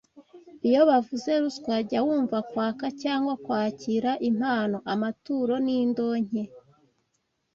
Iyo bavuze ruswa jya wumva kwaka cyangwa kwakira impano, amaturo n’indonke